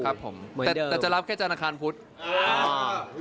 แต่จะรับแค่จานแอคคารพุทธ